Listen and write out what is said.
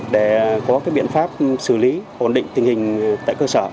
để có biện pháp xử lý ổn định tình hình tại cơ sở